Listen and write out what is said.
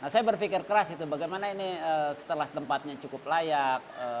saya berpikir keras itu bagaimana ini setelah tempatnya cukup layak